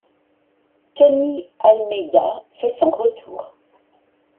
Tony Almeida fait son retour.